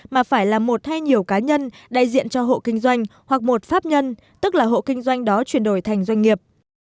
mà phải là một hay nhiều cá nhân đại diện cho hộ kinh doanh hoặc một pháp nhân tức là hộ kinh doanh đó chuyển đổi thành doanh nghiệp